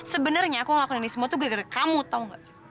sebenarnya aku ngelaku ini semua tuh gara gara kamu tau gak